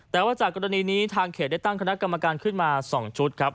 แต่ว่าจากกรณีนี้ทางเขตได้ตั้งคณะกรรมการขึ้นมา๒ชุดครับ